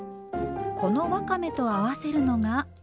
このわかめと合わせるのが。